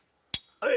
はい！